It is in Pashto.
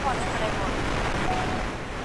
ايا ته درسونه لوستل کوې؟